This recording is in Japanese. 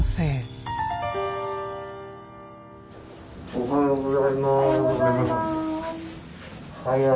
おはようございます。